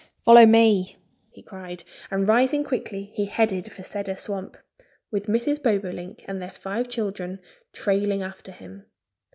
"Follow me!" he cried. And rising quickly he headed for Cedar Swamp, with Mrs. Bobolink and their five children trailing after him.